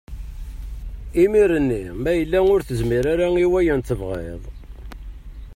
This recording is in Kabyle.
Imiren ma yella ur tezmir ara i wayen tebɣiḍ.